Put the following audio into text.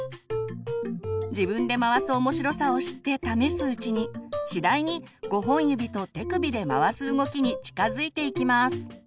自分で回す面白さを知って試すうちに次第に５本指と手首で回す動きに近づいていきます。